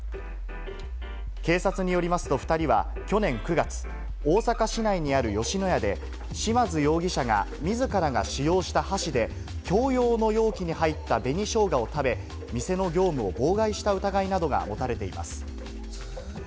警察によりますと２人は去年９月、大阪市内にある吉野家で、嶋津容疑者が自らが使用した箸で、共用の容器に入った紅しょうがを食べ、店の業務を妨害した疑いなどが持たれています。